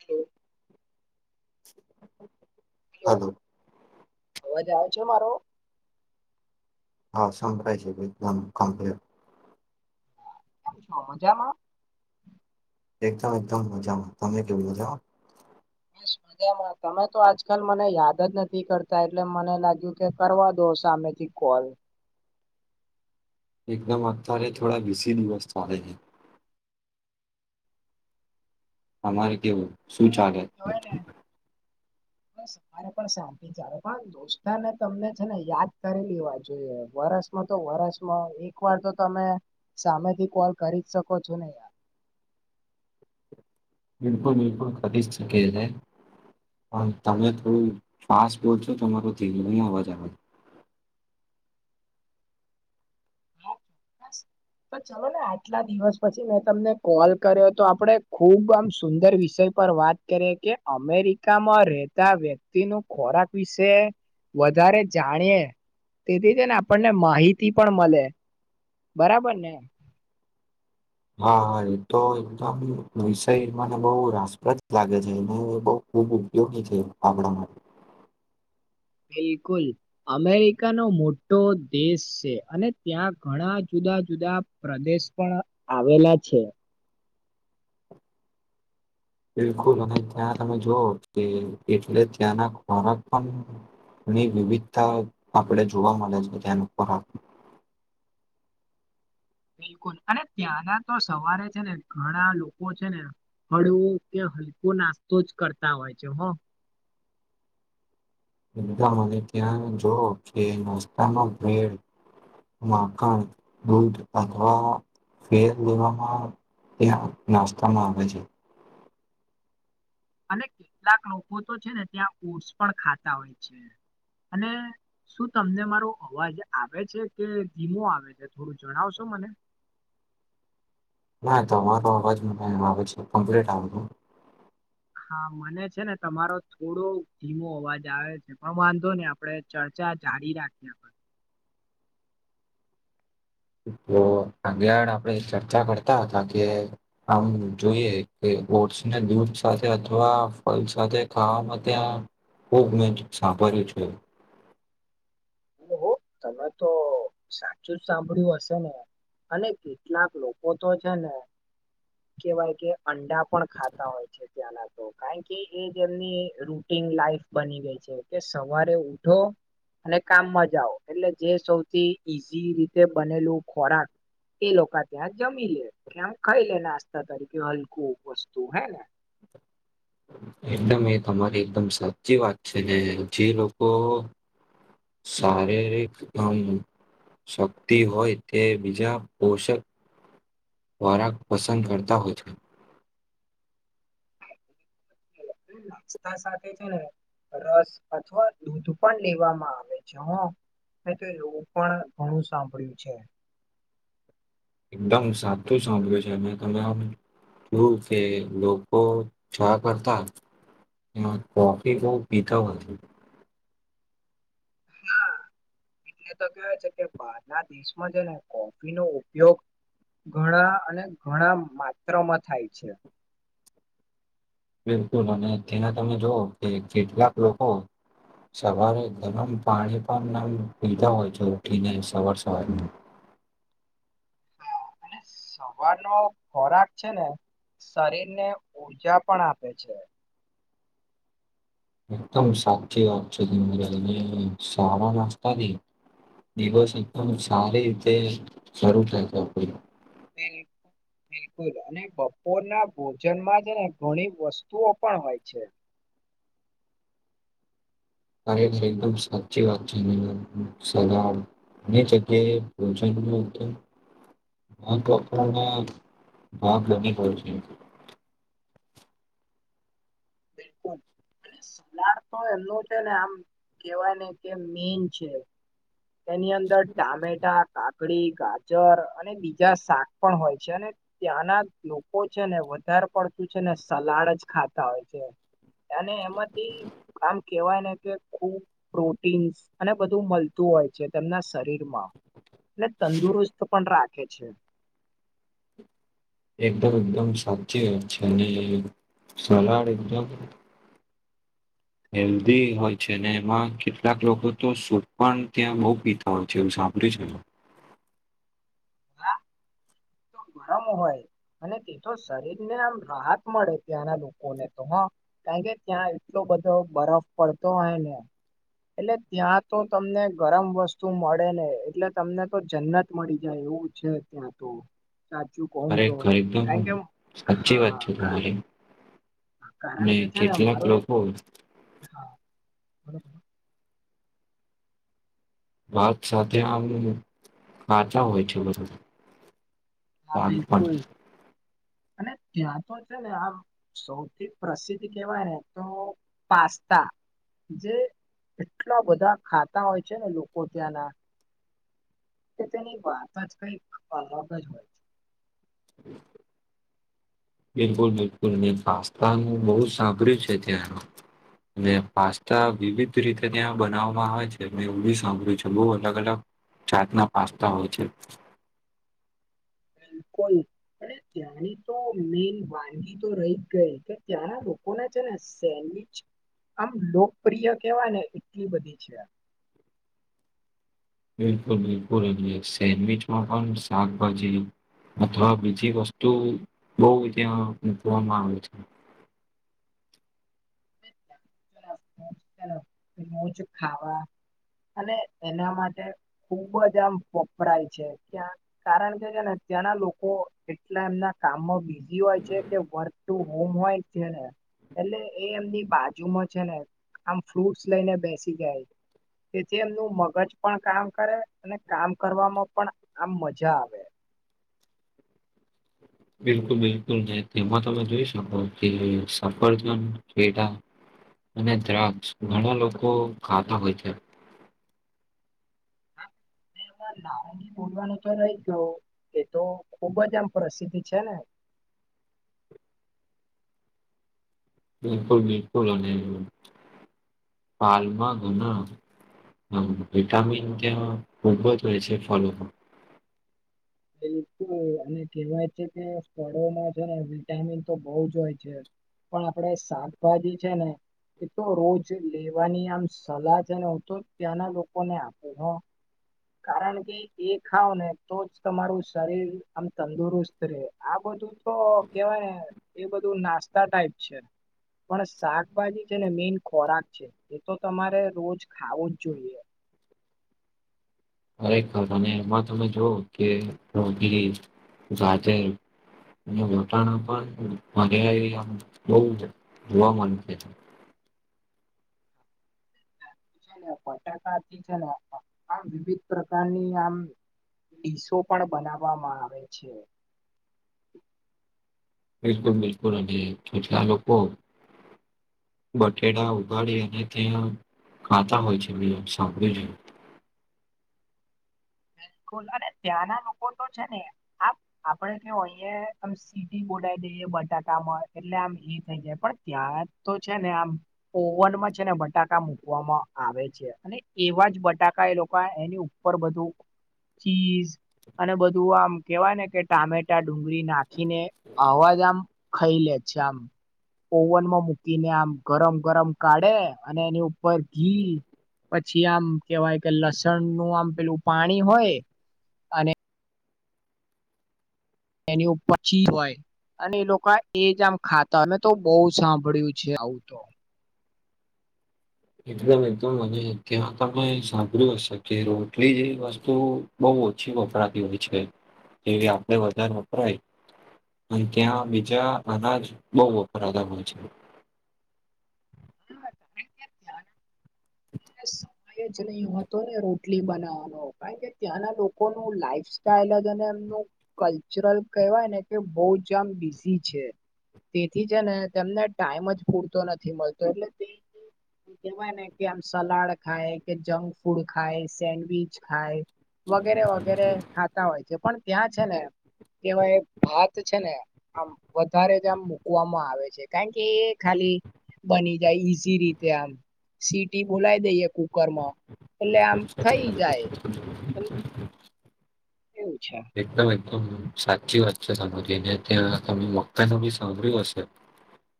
Hello. Hello. જે મારો હા, સંભળાય છે. ભઈ [unintelligible] કેમ છો મજામાં એકદમ એકદમ મજામાં. તમે કેવુ મજામાં? બસ મજામાં. તમે તો આજકાલ મને યાદ જ નથી કરતા, એટલે મને લાગ્યું કે કરવા દો સા સામેથી કોલ એકદમ અતારે થોડા વીસી દિવસ ચાલે છે. અમારે કેવું શું ચાલે? કવાય ને બસ મને પણ શાંતિ ચાલે પણ દોસ્તારને તમને છે ને યાદ કરી લેવા જોઈએ વરસ તો વર્ષમાં એક વાર તો તમે સામેથી કોલ કરી જ શકો છો ને યાર. બિલકુલ, બિલકુલ ખરીદ શકે છે. પણ તમે થોડું ફાસ્ટ બોલ છો. તમારો ધીરો નઈ અવાજ આવે? બસ તો ચલો ને આટલા દિવસ પછી મેં તમને કોલ કર્યો તો, આપડે ખુબ આમ સુંદર વિષય પર વાત કરીએ કે અમેરિકામાં રેહતા વ્યક્તિનો ખોરાક વિશે વધારે જાણીએ, તેથી છે ન આપણને માહિતી પણ મલે. બરાબર ને. હા હા એતો એકદમ વિષય મને બહ રાસપ્રદ લાગે છે અને બવ ખૂબ ઉપયોગી થયો, પાંગડામાં બિલકુલ. અમેરિકાનો મોટો દેશ છે, અને ત્યાં ઘણા જુદ જુદા જુદા પ્રદેશ પણ આવેલા છે. બિલકુલ અને ત્યાં તમે જોઓ કે એટલે ત્યાંના ખોરાક પણ ની વિવિધતા આપણેે જોવા મળે છે ધ્યાન ઉપર આપ [inaudible] બિલકુલ અને ત્યાંના તો સવારે છે ને, ઘણા લોકો છે ને હળવો કે હલકો નાસ્તો જ કરતા હોય છે હો. એકદમ અને ત્યાં જોવો કે નસ્તામાં ભીડ માકણ, દૂધ અથવા ફેર લેવામાં ત્યાં નાસ્તામાં આવે છે. અને કેટલાક લોકો તો છે ને ત્યાં ઓટ્સ પણ ખાતા હોય છે. અને શું તમને મારો અવાજ આવે છે કે ધીમો આવે છે થોડું જણાવશો મને ના, તમારો અવાજ મને આવે છે કમ્પ્લીટ આવ્યો. હા મને છે ને તમારો થોડો ધીમો અવાજ આવે છે પણ વાંધો નને આપડે ચર્ચા જાડી રાખીએ આપડન. તો આગેળ આપડે ચર્ચા કરતા હતા કે આમ જોઈએ કે ઓટ્સને દૂધ સાથે અથવા ફલ સાથે ખાવામાં ત્યાં ખૂબ મેં જ સાંભળ્યું છે, હ તમે તો સાચું જ સાંભળ્યું હશે ને. અને કેટલાક લોકો તો છે ને, કેવાય કે અંડા પણ ખાતા હોય છે ત્યાંના તો કારણ કે એજ એમની રૂટીન લાઈફ બની ગઈ છે કે સવારે ઉઠો અને કામમાં જાવ એટલે જે સૌથી ઈઝી રીતે બનેલું ખોરાક એ લોકો ત્યાં જમી લે કે આમ ખાઈ લે નાસ્તા તરીકે હલકું વસ્તુ હે ને [inaudible] એકદમ એ તમારી એકદમ સાચી વાત છે ને જે લોકો શારીરિક કામ શક્તિ હોય તે બીજા પોષક ખોરાક પસંદ કરતા હો છે નાસ્તા સાથે છે ને રસ અથવા દૂધ પણ લેવામાં આવે છે હો અ તો એવું પણ ઘણું સાંભળ્યું છે એકદમ સાચું સાંભળ્યું છે મે તમે શું કે લોકો ચા કરતા એમાં કોફી બહ પીતા હોય હા એટલે તો કેવા છે કે બારના દેશમાં છે ને કોફી નો ઉપયોગ ઘણા અને ઘણા માત્રમાં થાય છે બિલકુલ અને ત્યાં તમે જોવ કે કેટલાક લોકો સવારે ગરમ પાણી પણ નામ પીધા હોય છે ઉઠીને સવાર સવારમાં [inaudible] અને સવારનો ખોરાક છે ને શરીરને ઉર્જા પણ આપે છે એકદમ સાચી વાત છેને સારા નસ્તાથી દિવસ એકદમ સારી રીતે શરૂુ થાય છે આપનો [inaudible] બિલકુલ અને બપોરના ભોજનમાં છે ને ઘણી વસ્તુઓ પણ હોય છે, અરે તે એકદમ સાચી વાત છે સદાળ ની જગ્યાએ ભોજન ન મહત્વપૂર્ણ ભાગ બની ગયો છે બિલકુલ એટ સલાડ તો એમનો છે ને આમ કેહેવાય ને કે મેન છે તેની અંદર ટામેટા કા કાકડી ગાજર અને બીજા શાક પણ હોય છે અને ત્યાંના લોકો છે ને વધાર પડતો એ છે ને સલાડ જ ખાતા હોય છે અને એમાંથી આમ કેવાયને ખુબજ પ્રોટીન અને બધું મળતું હોય છે, તેમના શરીર તંદુરસ્ત પણ રાખે છે, એકદમ એકદમ સાચી વાત છે અને સલાળ એકદમ હેલ્ધી હોય છે, અને એમાં કેટલાક લોકો તો સૂપ પણ ત્યાં બઉ પીતા હોય છે, એવું સા [unintelligible] [unintelligible] તો ગરામ હોય અને તે તો શરીર ને આમ રાહત મળે ત્યાંના લોકોને તો હો કારણ કે ત્યાં એટલો બધો બરફ પડતો હોય ને એટલે ત્યાં તો તમને ગરમ વસ્તુ મળે ને એટલે તમને તો જન્નત મળી જાય, એવું છે ત્યાં તો સાચું કોણ તો ખરેખર એકદમ થાય કેમ સાચી વાત છે હા તમારી કારણ અને કે છે ને, કેટલાક મારો એક લોકો હા બબ વાત સાથે આમ ખાચા હોય છે, બધા હા, બિલકુલ અને ત્યાં તો છે ને આ સૌથી પ્રસિદ્ધ કહેવાય ને તો પાસ્તા જે એટલા બધા ખાતા હોય છે ને લોકો ત્યાંના કે તેની વાત જ કઈક અલગ જ હોય છે [inaudible] બિલકુલ બિલકુલ મેં પાસ્તાનું બહુ સાંભળ્યું છે ત્યાંનું અને પાસ્તા વિવિધ રીતે ત્યાં બનાવવામાં આવે છે એવું બી સાંભળ્યું છે બહુ અલગ અલગ જાાતના પાસ્તા હોય છે [inaudible] કોઈ અને ત્યાંની તો મેન વાનગી તો રહી જ ગઈ કે ત્યાંના લોકોને છે ને સેન્ડવીચ આમ લોકપ્રિય કેવા ને એટલી બધી છે [inaudible] બિલકુલ બિલકુલ સેન્ડવીચમાં પણ શાકભાજી અથવા બીજી વસ્તુ બહુ ત્યાં મૂકવામાં આવે છે [inaudible] જે ખાવા અને એના માટે ખુબ જ આમ વપરાય છે ક્યાં કારણ કે છે ને ત્યાંના લોકો એટલા એમના કામમાં બી સિ હોય છે કે વર્ક ટુ હોમ હોય છેને એટલે એ એમની બાજુમાં છે ને આમ ફ્રૂટસ લઈને બેસી જાય તેથી એમનું મગજ પણ કામ કરે અને કામ કરવામાં પણ આમ મજા આવે [inaudible] બિલકુલ બિલકુલ નહી તેમાં તમે જોઈ શકો કે સફરજન કેડા અને દ્રાક્ષ ઘણા લોકો ખાતા હોય છે હા એમાં નાંરગી બોલવાનું રહી ગયુ એ તો ખુબ જ આમ પ્રસિદ્ધ છે ને [inaudible] બિલકુલ બિલકુલ અને હાલમાં ગુ ના હ વિટામિન ત્યાં ખુબ જ હોય છે ફલો મા એ તો અને કહેવાય છે કે ફળોમાં છે ને વિટામિન તો બહુ જ હોય છે પણ આપડે શાકભાજી છે ને એ તો રોજ લેવાની આમ સલાહ છે ને હું તો ત્યાંના લોકોને આપું હ કારણ કે એ ખાાવ ને તો જ તમારું શરીર આમ તંદુરસ્ત રહે આ બધું તો કેવાય એ બધું નાસ્ સસ્તા ટાઈપ છે પણ શાકભાજી છે ને મેન ખોરાક છે એ તો તમારે રોજ ખાવું જ જોઈએ ખરેખર અને એમાં તમે જો કે રોટલી ગાજર અને વટાણા પણ વઘારે બહુ જોવા મળશે ને બટાકાથી છેને આમ વિવિધ પ્રકારની આમ ડીસો પણ બનાવવામાં આવે છે બિલકુલ બિલકુલ અને કેટલાક લોકો બટેડા ઉગાડી અને ત્યાં ખાતા હોય છે મે એમ સાંભળ્યું છે [inaudible] [inaudible] બોલ અને ત્યાં ના લોકો તો છે ને આપ આપડે કેવો અહી સીટી બોડા દઈએ બટાકામાં એટલે આમ ઈ થઈ જાય પણ ત્યાં તો છે ને આમ ઓવનમાં છે ને બટાકા મુકવામાં આવે છે અને એવા જ બટાકા એ લોકો એની ઉપર બધું ચીઝ અને બધું આમ કેવાય ને કે ટામેટા ડુંગળી નાખીને અવાજ આમ ખઈ લે જામ ઓવનમાં મૂકીને આમ ગરમ ગરમ કાઢે અને એની ઉપર ઘી પછી આમ કેવાય કે લસણ નું આમ પેલું પાણી હોય અને એની ઉપર પછી હોય અને એ લોકો એજ આમ ખાતા અમે તો બહુ સાંભળ્યું છે આવું તો એકદમ એકદમ મને ત્યાં તમે સાંભળ્યું હશે કે રોટલી જેવી વસ્તુ બઉ બ ઓછી વપરાતી હોય છે જેવી આપડે વધારે વપરાય અને ત્યાં બીજા અનાજ બોહ વપરાતા હોય છે [inaudible] સમય જ નહી હતો ને રોટલી બનાવાનો કારણ કે ત્યાંના લોકો ન લાઈફ સાઈલ ફસ્ટાઈલ એમનું કલ્ચરલ કવાય ને કે બોહ જ આમ બિઝી છે તેથી છે ને તેમને ટાઈમ જ પૂરતો નથી મળતો એટલે તે કેહેવાય ને કે આમ સલાડ ખાય કે જંક ફૂડ ખાય સેન્ડવીચ ખાય વગેરે વગેરે ખાતા હોય છે પણ ત્યાં જ છે ને કેવાઈ ભાત છે ને આમ વધારે જ આમ મુકવામાં આવે છે કારણ એ ખાલી બની જાય ઈઝી રીતે આમ સીટી બોલાય દઈએ. કુકરમાં એટલે આમ થઈ જાય [inaudible] એવું છે એકદમ એક સાચી વાત છે સાજીને ત્યાં તમે મકાન બી સાંભળ્યું હશે.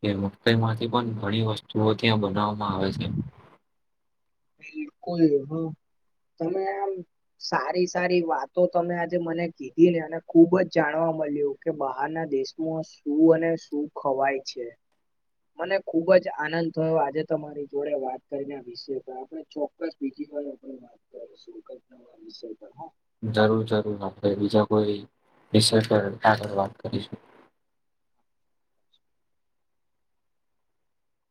કે મઈ માંથી પણ ઘણી વસ્તુઓ ત્યાં બનાવવામાં આવે છે. એ કોઈ હ. તમે આમ સારી સારી વાતો તમે આજે મને કીધી ને અને ખુબ જ જાણવા મળ્યું કે બહારના દેશમાં શું અને શું ખવાય છે. મને ખુબ જ આનંદ થયો આજે તમારી જોડે વાત કરીને વિશે ચોક્કસ બીજી હોય આપ વાત કર શ વિષ જરૂર જરૂર આપણે બીજા કોઈ વિષ કર આગળ વાત કરીશું. હ.